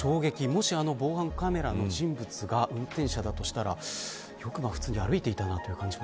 もし防犯カメラの人物が運転者だとしたら、よく普通に歩いていたな